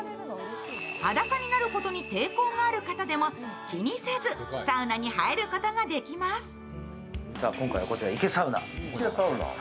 裸になることに抵抗がある方でも気にせずサウナに入ることができます。